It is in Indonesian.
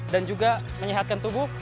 dan juga menyehatkan tubuh